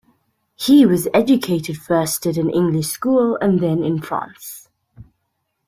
He was educated first at an English school and then in France.